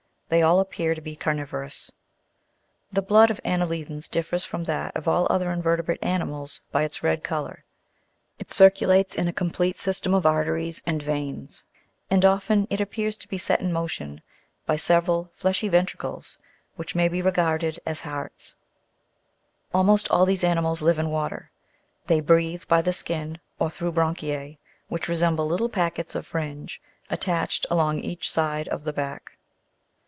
They all appear to be carni'vorous. 6. The blood of anne'lidans differs from that of all other inver tebrate animals by its red colour ; it circulates in a complete sys tem of arteries and veins, and often, it appears to be set in motion by several fleshy ventricles which may be regarded as hearts (Jig. 74, c). 7. Almost all these animals live in water; they breathe by the skin, or through branchia? (br), which resemble little packets of fringe, attached along each side of the back.